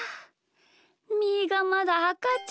ーがまだあかちゃんだ。